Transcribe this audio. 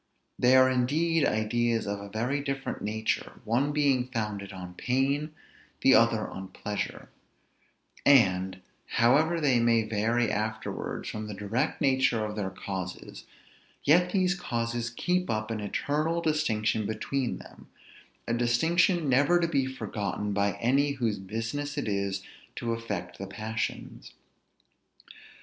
They are indeed ideas of a very different nature, one being founded on pain, the other on pleasure; and, however they may vary afterwards from the direct nature of their causes, yet these causes keep up an eternal distinction between them, a distinction never to be forgotten by any whose business it is to affect the passions.